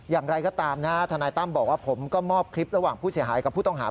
อย่างไรก็ตามนะฮะทนายตั้มบอกว่าผมก็มอบคลิประหว่างผู้เสียหายกับผู้ต้องหา